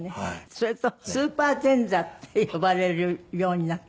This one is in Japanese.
それとスーパー前座って呼ばれるようになった。